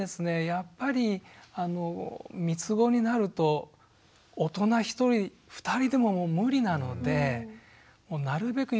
やっぱりみつごになると大人１人２人でも無理なのでなるべく